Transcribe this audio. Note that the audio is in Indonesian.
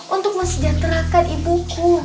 untuk mesejahterakan ibuku